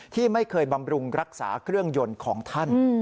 ที่ไม่เคยบำรุงรักษาเครื่องยนต์ของท่าน